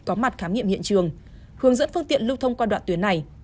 có mặt khám nghiệm hiện trường hướng dẫn phương tiện lưu thông qua đoạn tuyến này